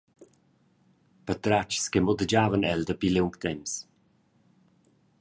Patratgs che mudergiavan el dapi liung temps.